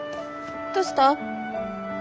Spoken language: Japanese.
どうした？